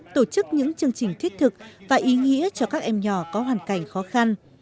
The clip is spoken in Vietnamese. tổ chức những chương trình thiết thực và ý nghĩa cho các em nhỏ có hoàn cảnh khó khăn